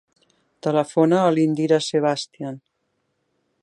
Telefona a l'Indira Sebastian.